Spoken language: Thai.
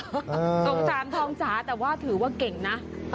สงสารทองจ๋าแต่ว่าถือว่าเก่งนะ